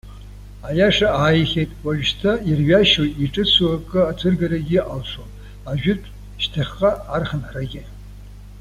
Аиаша ааихьеит, уажәшьҭа ирҩашьоу, иҿыцу акы ацәыргарагьы алшом, ажәытә, шьҭахьҟа архынҳәрагьы.